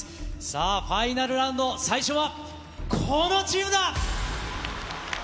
さあ、ファイナルラウンド、最初はこのチームだ。